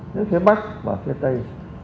đến phía bắc và phía tây